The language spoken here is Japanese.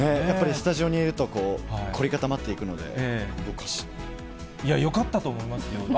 やっぱりスタジオにいると、凝り固まっていくので、よかったと思いますよ。